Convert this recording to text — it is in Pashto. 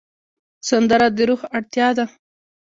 سندره د روح اړتیا ده